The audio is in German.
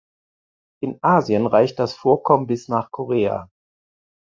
In Asien reicht das Vorkommen bis nach Korea.